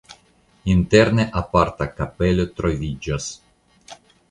Interne aparta kapelo troviĝas.